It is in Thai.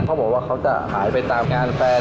เขาบอกว่าเขาจะหายไปตามงานแฟน